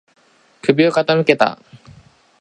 首を傾けた。